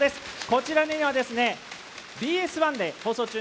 こちらにはＢＳ１で放送中